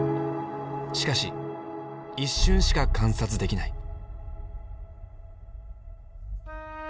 しかし一瞬しか観察できない。